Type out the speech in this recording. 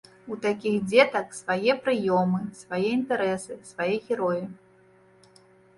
У такіх дзетак свае прыёмы, свае інтарэсы, свае героі.